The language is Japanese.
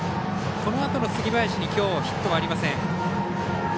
このあとの杉林にきょうヒットはありません。